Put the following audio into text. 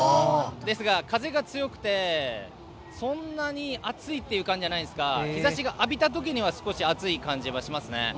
ですが、風が強くてそんなに暑いという感じじゃないですが日ざしを浴びた時は少し暑い感じがしますね。